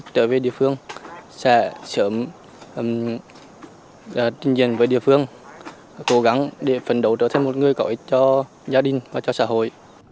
trở về địa phương sẽ sớm trình diện với địa phương cố gắng để phấn đấu trở thành một người có ích cho gia đình và cho xã hội